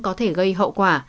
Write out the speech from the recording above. có thể gây hậu quả